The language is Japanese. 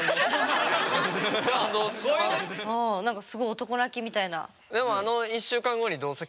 何かすごい男泣きみたいな。